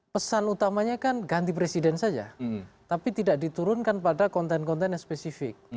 pesan utamanya kan ganti presiden saja tapi tidak diturunkan pada konten konten yang spesifik